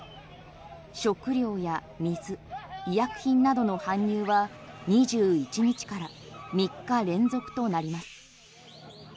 食料や水、医薬品などの搬入は２１日から３日連続となります。